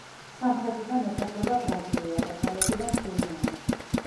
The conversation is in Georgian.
სამხრეთიდან ესაზღვრება ბრაზილია, დასავლეთიდან სურინამი.